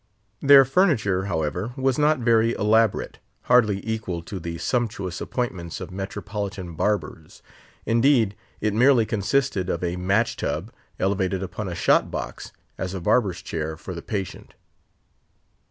Their furniture, however, was not very elaborate, hardly equal to the sumptuous appointments of metropolitan barbers. Indeed, it merely consisted of a match tub, elevated upon a shot box, as a barber's chair for the patient.